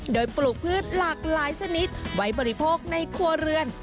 โดยปลูกพืชหลากหลายชนิดไว้บริโภคในครัวเรือน